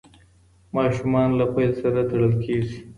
ماشومان له پیل سره تړل کېږي.